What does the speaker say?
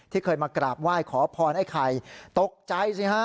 เคยมากราบไหว้ขอพรไอ้ไข่ตกใจสิฮะ